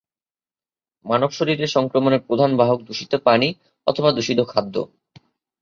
মানব শরীরে সংক্রমণের প্রধান বাহক দূষিত পানি অথবা দূষিত খাদ্য।